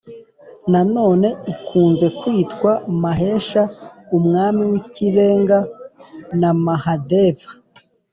nanone ikunze kwitwa mahesha (umwami w’ikirenga) na mahadeva